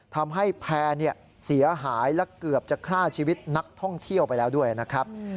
ทำให้แพร่เสียหายและเกือบจะฆ่าชีวิตนักท่องเที่ยวไปแล้วด้วยนะครับ